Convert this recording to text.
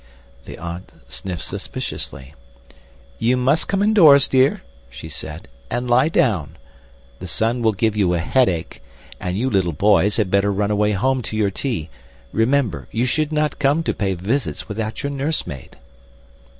The aunt sniffed suspiciously. "You must come indoors, dear," she said, "and lie down. The sun will give you a headache. And you little boys had better run away home to your tea. Remember, you should not come to pay visits without your nursemaid."